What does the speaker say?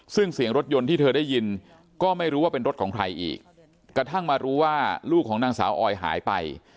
ซึ่งเสียงรถยนต์ที่เธอได้ยินก็ไม่รู้ว่าเป็นรถของใครอีกกระทั่งมารู้ว่าลูกของนางสาวออยหายไป